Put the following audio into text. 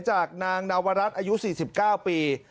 จากนางนาวรัฐอายุ๔๙ปี